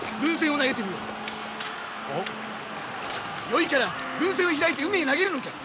よいから軍扇を開いて海へ投げるのじゃ！